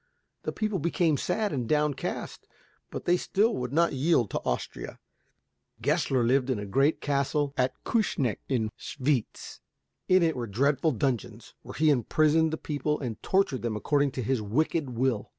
The people became sad and downcast, but still they would not yield to Austria. Gessler lived in a great castle at Küssnacht in Schwyz. In it were dreadful dungeons where he imprisoned the people and tortured them according to his wicked will.